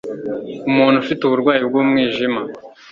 Umuntu ufite uburwayi bw'umwijima